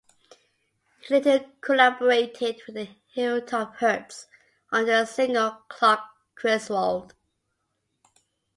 He later collaborated with the Hilltop Hoods on their single "Clark Griswold".